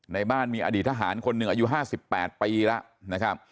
ในบ้านมีอดีตทหารของขนนึงอายุ๕๘ปี